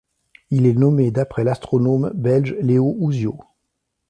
Il est nommé d'après l'astronome belge Léo Houziaux.